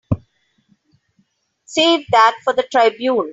Save that for the Tribune.